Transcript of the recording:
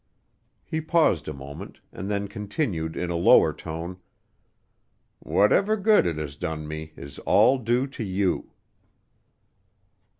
He paused a moment and then continued in a lower tone: "Whatever good it has done me is all due to you."